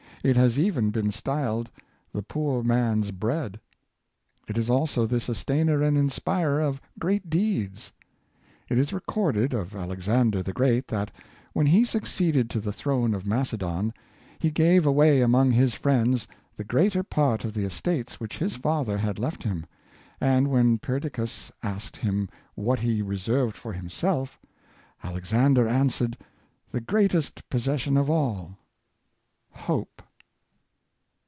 It has even been styled "the poor man's bread." It is also the sustainer and inspirer of great deeds. It is recorded of Alexan der the Great that, when he succeeded to the throne of Macedon, he gave away among his friends the greater part of the estates which his father had left him; and when Perdiccas asked him what he reserved for him self, Alexander answered, " the greatest possession of all — hope!"